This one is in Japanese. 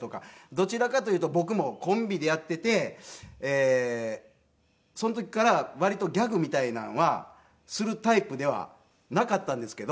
どちらかというと僕もコンビでやっていてその時から割とギャグみたいなのはするタイプではなかったんですけど。